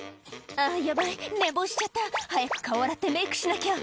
「あぁヤバい寝坊しちゃった早く顔洗ってメイクしなきゃ」